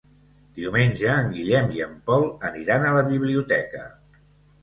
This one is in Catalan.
Diumenge en Guillem i en Pol aniran a la biblioteca.